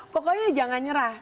pokoknya jangan nyerah